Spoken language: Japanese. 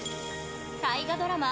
大河ドラマ